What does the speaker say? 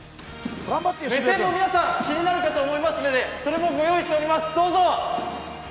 目線も皆さん、気になるかと思いますので、それもご用意しております、どうぞ！